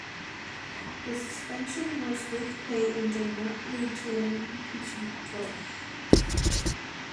The suspension was with pay and did not lead to an impeachment vote.